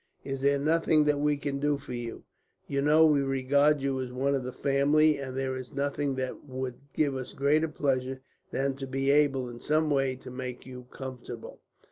"Is there nothing that we can do for you? You know we regard you as one of the family, and there is nothing that would give us greater pleasure than to be able, in some way, to make you comfortable."